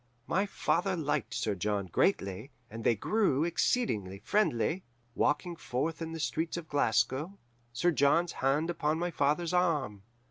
"My father liked Sir John greatly, and they grew exceedingly friendly, walking forth in the streets of Glasgow, Sir John's hand upon my father's arm.